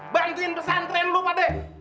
bantuin pesantren lu pade